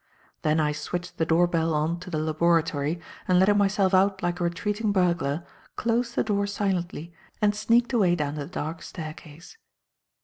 Then I switched the door bell on to the laboratory, and, letting myself out like a retreating burglar, closed the door silently and sneaked away down the dark staircase.